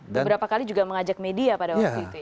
beberapa kali juga mengajak media pada waktu itu ya